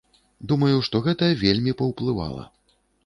Думаю, што гэта вельмі паўплывала.